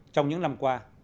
trong những năm qua